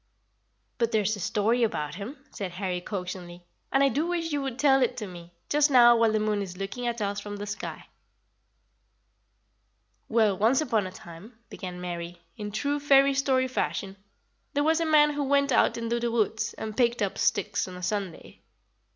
"But there is a story about him," said Harry coaxingly, "and I do wish you would tell it to me, just now while the moon is looking at us from the sky." THE MAN IN THE MOON. "Well, once upon a time," began Mary, in true fairy story fashion, "there was a man who went out into the woods and picked up sticks on a Sunday.